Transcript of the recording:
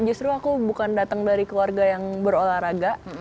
justru aku bukan datang dari keluarga yang berolahraga